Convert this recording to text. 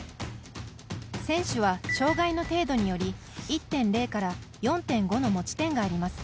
選手は、障がいの程度により１．０４．５の持ち点があります。